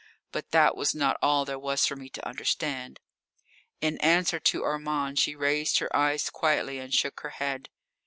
But that was not all there was for me to understand. In answer to Armand she raised her eyes quietly, and shook her head.